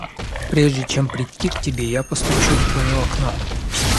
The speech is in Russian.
Прежде, чем придти к тебе, я постучу в твоё окно.